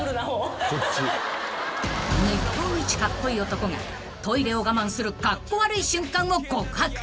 ［日本一カッコイイ男がトイレを我慢するカッコ悪い瞬間を告白］